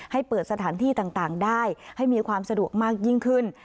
ให้เปิดสถานที่ต่างได้ให้มีความสะดวกมากยิ่งขึ้น